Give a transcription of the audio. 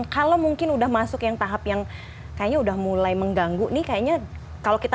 kalau mungkin udah masuk yang tahap yang kayaknya udah mulai mengganggu nih kayaknya kalau kita